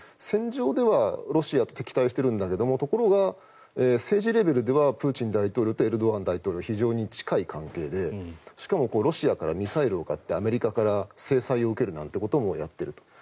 戦場ではロシアと敵対しているんだけどところが、政治レベルではプーチン大統領とエルドアン大統領非常に近い関係でしかもロシアからミサイルをアメリカから制裁を受けることもやっていると。